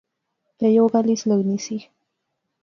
یا یو گل اس لغنی سی